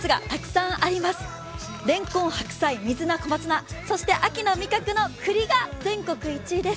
れんこん、白菜、水菜、小松菜、そして秋の味覚のくりが全国１位です。